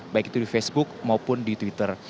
baik itu di facebook maupun di twitter